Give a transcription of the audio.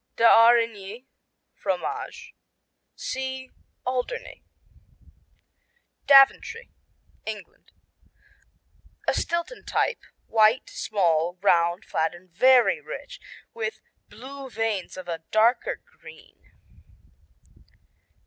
d'Aurigny, Fromage see Alderney. Daventry England A Stilton type, white, small, round, flat and very rich, with "blue" veins of a darker green.